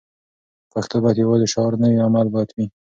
پښتو باید یوازې شعار نه وي؛ عمل باید وي.